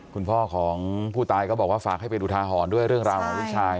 คุณพ่อของผู้ตายก็บอกว่าฝากให้เป็นอุทาหรณ์ด้วยเรื่องราวของลูกชาย